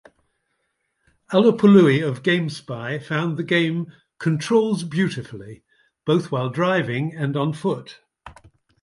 Alupului of GameSpy found the game "controls beautifully", both while driving and on-foot.